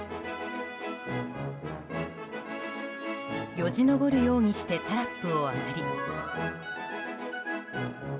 よじ登るようにしてタラップを上がり。